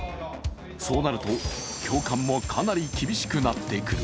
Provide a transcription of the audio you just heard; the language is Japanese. そうなると教官もかなり厳しくなってくる。